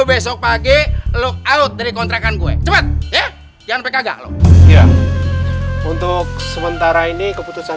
besok pagi look out dari kontrakan gue cepet ya jangan kekagak lo untuk sementara ini keputusan